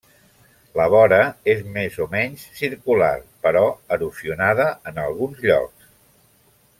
La vora és més o menys circular, però erosionada en alguns llocs.